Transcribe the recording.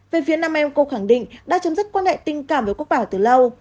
về phía nam em cô khẳng định đã chấm dứt quan hệ tình cảm với quốc bảo từ lâu